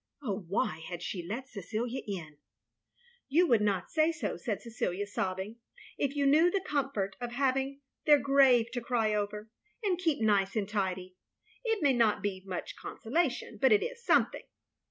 Oh, why had she let Cecilia in ? "You would not say so," said Cecilia, sobbing, "if you knew the comfort — of having — ^their grave to cry over — ^and keep nice and tidy. It may not be much consolation, but it is something."